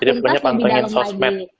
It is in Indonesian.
jadi kita akan pantengin sosmed